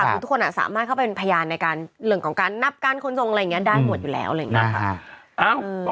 ัี้ยทุกคนอ่ะสามารถเข้าเป็นพญานในการหรือการแนบการค้นทรงอะไรอย่างเงี้ยได้หมดอยู่แล้วอะไรอย่างเงี้ย